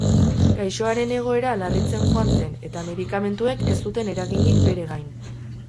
Gaixoaren egoera larritzen joan zen eta medikamentuek ez zuten eraginik bere gain.